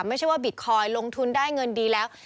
ไม่ใช่ว่าบิตคอยน์ลงทุนได้เงินดีแล้ว